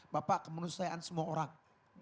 bapak kemanusiaan semua orang